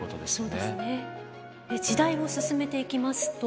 そうですね。時代を進めていきますと。